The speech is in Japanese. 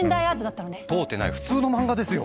問うてない普通の漫画ですよ。